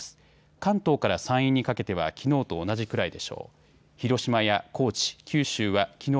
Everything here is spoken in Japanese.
関東から山陰にかけてはきのうと同じくらいでしょう。